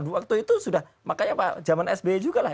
waktu itu sudah makanya zaman sby juga lah